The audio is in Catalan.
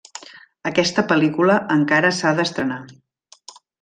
Aquesta pel·lícula encara s'ha d'estrenar.